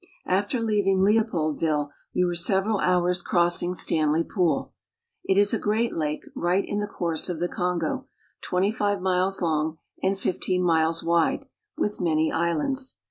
After leaving Leopoldville we were several hoars cross ing Stanley Pool. It is a great lake, right in the course of the Kongo, twenty five miles long and fifteen miles wide, with many islands.